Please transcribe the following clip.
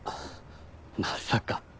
まさか。